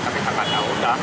tapi saya gak tahu udah